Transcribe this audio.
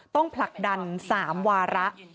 ต้องผลักดัน๓วาระ